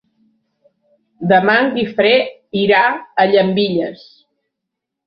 Demà en Guifré irà a Llambilles.